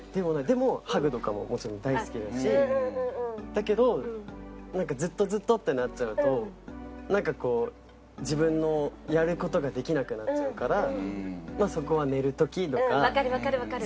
でもハグとかももちろん大好きだしだけどなんかずっとずっとってなっちゃうとなんかこう自分のやる事ができなくなっちゃうからまあそこは寝る時とか。わかるわかるわかる。